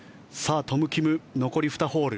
トム・キム、残り２ホール。